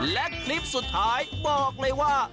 และคลิปสุดท้ายบอกเลยว่า